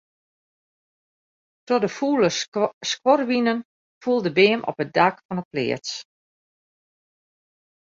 Troch de fûle skuorwinen foel de beam op it dak fan 'e pleats.